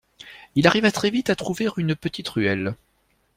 Il arriva très vite à trouver une petite ruelle.